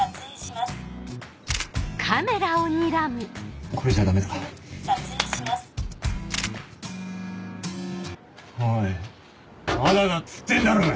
まだだっつってんだろうが！